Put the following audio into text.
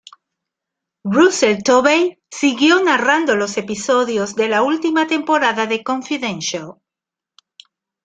Russell Tovey siguió narrando los episodios de la última temporada de "Confidential".